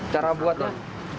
cara buatnya sablon